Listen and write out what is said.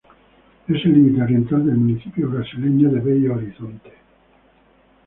Es el límite oriental del municipio brasileño de Belo Horizonte.